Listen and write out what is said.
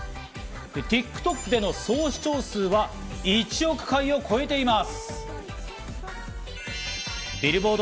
ＴｉｋＴｏｋでの総視聴数は１億回を超えています。